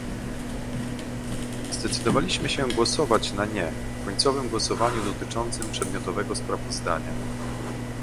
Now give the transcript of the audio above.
Zdecydowaliśmy się głosować na "nie" w końcowym głosowaniu dotyczącym przedmiotowego sprawozdania